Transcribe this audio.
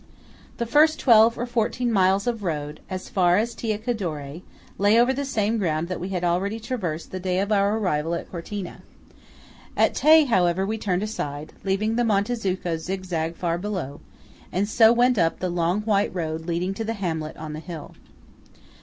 The first twelve or fourteen miles of road, as far as Tai Cadore, lay over the same ground that we had already traversed the day of our arrival at Cortina. At Tai, however, we turned aside, leaving the Monte Zucco zigzag far below, and so went up the long white road leading to the hamlet on the hill.